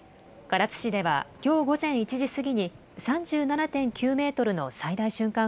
唐津市ではきょう午前１時過ぎに、３７．９メートルの最大瞬間